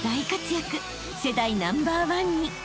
［世代ナンバーワンに］